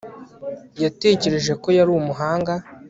yatekereje ko yari umuhanga